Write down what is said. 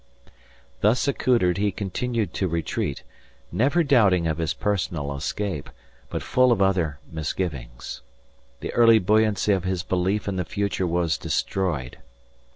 Thus accoutred he continued to retreat, never doubting of his personal escape but full of other misgivings. The early buoyancy of his belief in the future was destroyed.